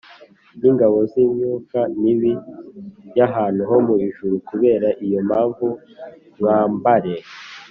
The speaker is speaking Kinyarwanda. n ingabo z imyuka mibir y ahantu ho mu ijuru Kubera iyo mpamvu mwambare